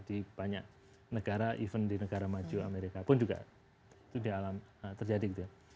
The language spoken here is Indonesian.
di banyak negara even di negara maju amerika pun juga itu terjadi gitu ya